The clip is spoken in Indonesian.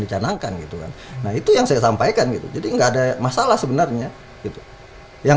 dicanangkan gitu kan nah itu yang saya sampaikan gitu jadi enggak ada masalah sebenarnya gitu yang